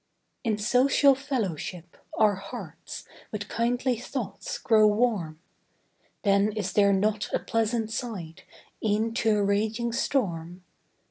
In social fellowship, our hearts With kindly thoughts grow warm; Then is there not a pleasant side, E'en to a raging storm?